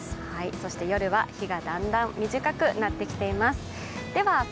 そして夜は日がだんだん短くなってきています。